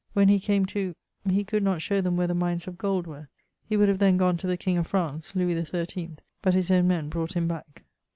When he came to ..., he could not show them where the mines of gold were. He would have then gonne to the king of France (Lewis XIII), but his owne men brought him back.